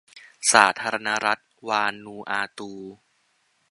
สาธารณรัฐวานูอาตู